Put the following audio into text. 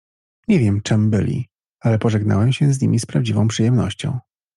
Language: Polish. "Nie wiem, czem byli, ale pożegnałem się z nimi z prawdziwą przyjemnością."